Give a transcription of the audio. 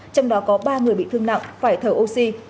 trong đó có ba người bị thương nặng phải thở oxy